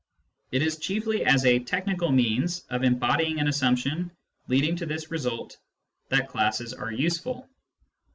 It is chiefly as a technical means of embodying an assumption leading to this result that classes are useful.